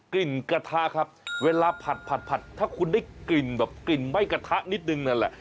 กลิ่นกระทะครับเวลาผัดถ้าคุณได้กลิ่นไม้กระทะนิดหนึ่งนั่นแหละ